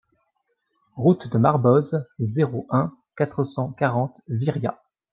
Route de Marboz, zéro un, quatre cent quarante Viriat